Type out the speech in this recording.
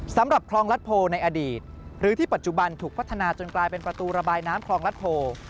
สำหรับคลองรัฐโพในอดีตหรือที่ปัจจุบันถูกพัฒนาจนกลายเป็นประตูระบายน้ำคลองรัฐโพ